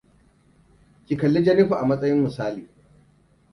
Ki kalli Jennifer a matsayin misali.